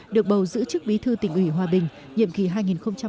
được bầu giữ chức bí thư tỉnh ủy hòa bình nhiệm kỳ hai nghìn hai mươi hai nghìn hai mươi năm